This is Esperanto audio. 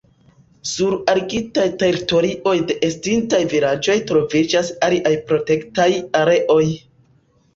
Sur aligitaj teritorioj de estintaj vilaĝoj troviĝas aliaj protektitaj areoj.